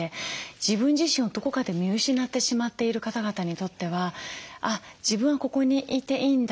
自分自身をどこかで見失ってしまっている方々にとってはあっ自分はここにいていいんだ。